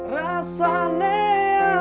rasa neati mulalah roh kutianat